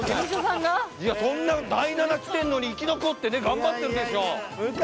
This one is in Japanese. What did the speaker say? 第７来てるのに生き残って頑張ってるでしょ。